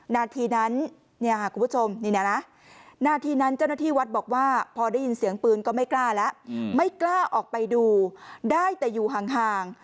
นาทีนั้นเจ้าหน้าที่วัดบอกว่าพอได้ยินเสียงปืนก็ไม่กล้าแล้วไม่กล้าออกไปดูได้แต่อยู่ห่าง